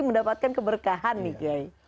mendapatkan keberkahan nih k i